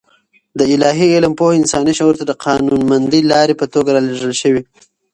د الاهي علم پوهه انساني شعور ته د قانونمندې لارې په توګه رالېږل شوې.